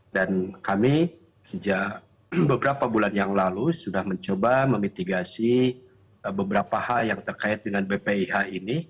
dan kami sejak beberapa bulan yang lalu sudah mencoba memitigasi beberapa hal yang terkait dengan bpih ini